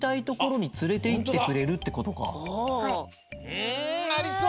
うんありそう！